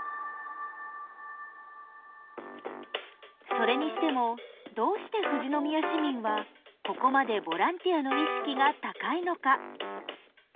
それにしてもどうして富士宮市民はここまでボランティアの意識が高いのか？